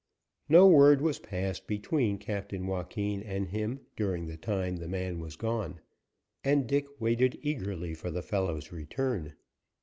No word was passed between Captain Joaquin and him during the time the man was gone, and Dick waited eagerly for the fellow's return.